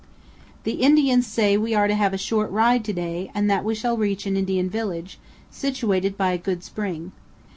The Indians say we are to have a short ride to day and that we shall reach an Indian village, situated by a good spring.